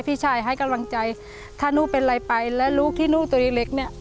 พี่ชายให้กำลังใจถ้าหนูเป็นอะไรไปและลูกที่นุ่งตัวเล็กเนี่ย